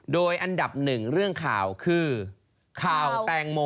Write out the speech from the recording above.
โดยอันดับหนึ่งเรื่องข่าวคือข่าวแตงโม